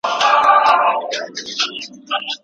خپل حق غوښتل شرم نه دی.